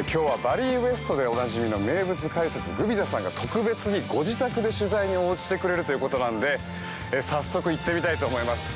今日はバリーウエストでおなじみの名物解説、グビザさんが特別にご自宅で取材に答えてくれるということなので早速行ってみたいと思います。